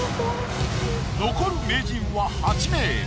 残る名人は８名。